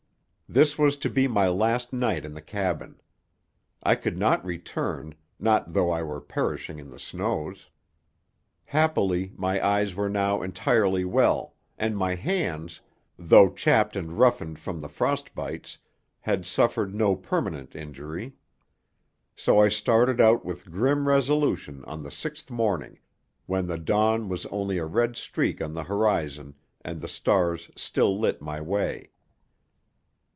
This was to be my last night in the cabin. I could not return, not though I were perishing in the snows. Happily my eyes were now entirely well, and my hands, though chapped and roughened from the frost bites, had suffered no permanent injury. So I started out with grim resolution on the sixth morning, when the dawn was only a red streak on the horizon and the stars still lit my way.